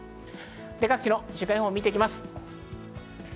各地の週間予報を見ていきます。